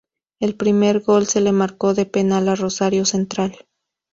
El primer gol se lo marcó de penal a Rosario Central.